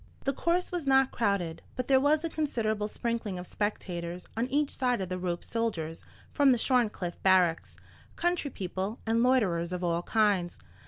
The course was not crowded, but there was a considerable sprinkling of spectators on each side of the rope—soldiers from the Shorncliffe barracks, country people, and loiterers of all kinds.